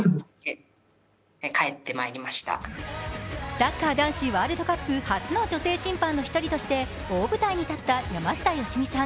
サッカー男子ワールドカップ初の女性審判の一人として大舞台に立った山下良美さん。